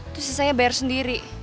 terus saya bayar sendiri